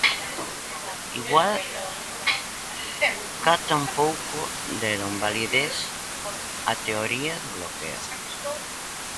Igual ca tampouco deron validez á teoría do bloqueo.